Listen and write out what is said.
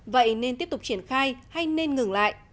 vậy nên tiếp tục triển khai hay nên ngừng lại